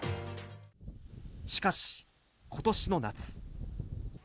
しかしことしの夏。